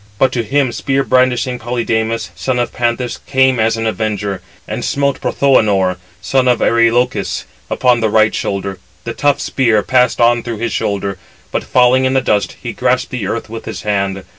But to him spear brandishing Polydamas, son of Panthous, came as an avenger, and smote Prothoënor, son of Areïlochus, upon the right shoulder. The tough spear passed on through his shoulder, but falling in the dust, he grasped the earth with his hand.